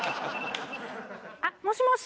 あっもしもし？